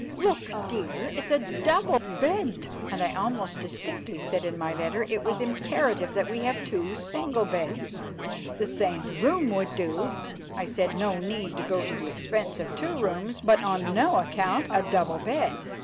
Look, dear, it's a DOUBLE bed! And I most distinctly said in my letter it was imperative that we have two single beds; the same room would do, I said—no need to go to the expense of two rooms—but on no account a double bed.